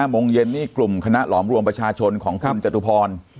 โมงเย็นนี่กลุ่มคณะหลอมรวมประชาชนของคุณจตุพร